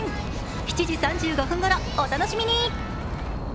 ７時３５分ごろ、お楽しみに。